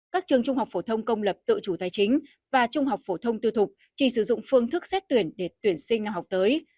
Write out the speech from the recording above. các trường trung học phổ thông công lập tự chủ tài chính và trung học phổ thông tư thục chỉ sử dụng phương thức xét tuyển để tuyển sinh năm học tới